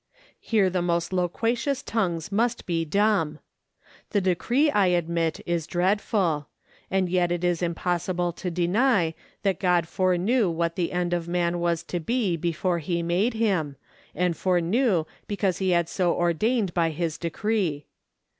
Here the most loquacious tongues must be dumb. The decree, I admit, is dreadful; and yet it is impossible to deny that God foreknew what the end of man was to be before he made him, and foreknew because he had so ordained by his decree.